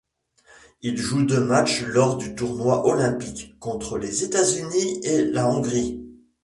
Il joue deux matchs lors du tournoi olympique, contre les États-Unis et la Hongrie.